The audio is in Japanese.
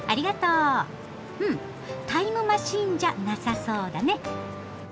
うんタイムマシーンじゃなさそうだね。